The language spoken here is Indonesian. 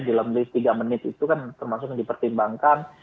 dalam list tiga menit itu kan termasuk yang dipertimbangkan